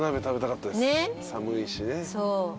寒いしね。